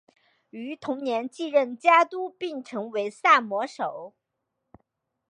于同年继任家督并成为萨摩守。